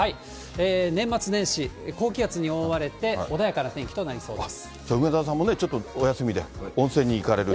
年末年始、高気圧に覆われて穏やかな天気となりそうです。